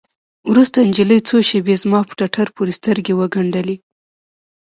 وروسته نجلۍ څو شېبې زما په ټټر پورې سترګې وگنډلې.